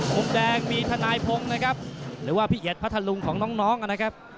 มุมแดงมีทนายพงศ์นะครับหรือว่าพี่เอียดพัทธลุงของน้องนะครับ